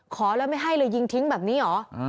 ขอแล้วไม่ให้เลยยิงทิ้งแบบนี้เหรอ